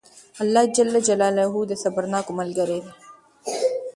الله جل جلاله د صبرناکو ملګری دئ!